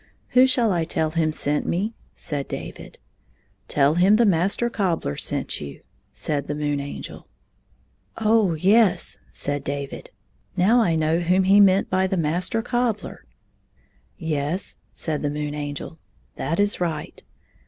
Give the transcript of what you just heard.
" Who shall I tell him sent me 1 " said David. " Tell him the Master Cobbler sent you," said the Moon Angel. " Oh, yes," said David, " now I know whom he meant by the Master Cobbler." " Yes," said the Moon Angel, " that is right.